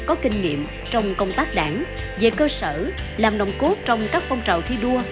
có kinh nghiệm trong công tác đảng về cơ sở làm nồng cốt trong các phong trào thi đua